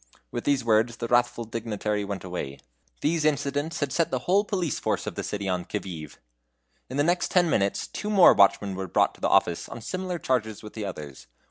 With these words the wrathful dignitary went away. These incidents had set the whole police force of the city on the qui vive. In the next ten minutes two more watchmen were brought to the office on similar charges with the others.